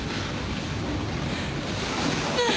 ああ。